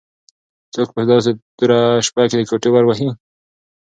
څوک په داسې توره شپه کې د کوټې ور وهي؟